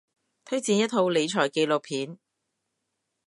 推薦一套理財紀錄片